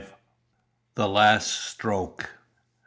THE LAST STROKE.